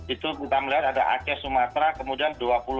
itu kita melihat ada aceh sumatera kemudian dua ribu dua puluh satu